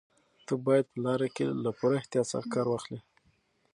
ته باید په لاره کې له پوره احتیاط څخه کار واخلې.